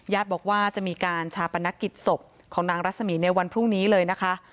บอกว่าจะมีการชาปนกิจศพของนางรัศมีร์ในวันพรุ่งนี้เลยนะคะ